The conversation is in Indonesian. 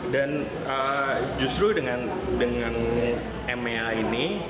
dan justru dengan mra ini